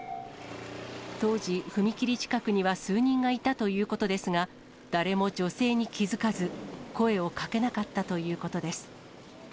当時、踏切近くには数人がいたということですが、誰も女性に気付かず、声をかけなかったということです。